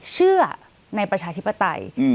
เชื่อในประชาธิปไตย